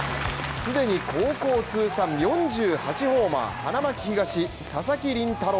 既に高校通算４８号花巻東・佐々木麟太郎